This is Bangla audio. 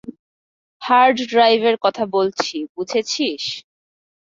হার্ড ড্রাইভের কথা বলছি, বুঝেছিস?